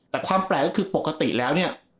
แต่ความแปลกก็คือปกติแล้วเนี่ย